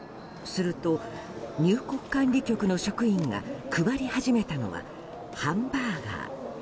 すると、入国管理局の職員が配り始めたのはハンバーガー。